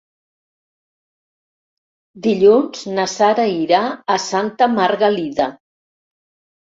Dilluns na Sara irà a Santa Margalida.